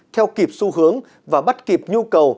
theo kịp xu hướng và bắt kịp nhu cầu